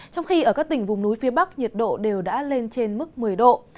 trong khi ở các tỉnh vùng núi phía bắc nhiệt độ đều đã lên trên mức một mươi độ